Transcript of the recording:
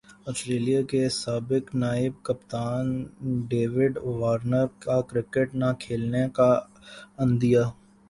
Australia کے سابق نائب کپتان ڈیوڈ وارنر کا کرکٹ نہ کھیلنے کا عندیہ